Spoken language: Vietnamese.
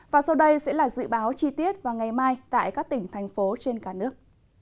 và sau đây sẽ là dự báo chi tiết vào ngày mai tại các tỉnh thành phố trên cả nước